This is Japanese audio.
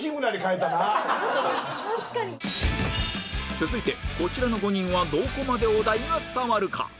続いてこちらの５人はどこまでお題が伝わるか？